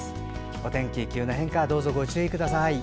お天気、急な変化どうぞご注意ください。